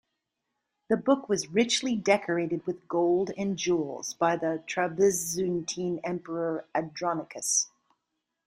The book was richly decorated with gold and jewels by the Trapezuntine Emperor Andronicus.